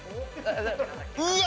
うわ！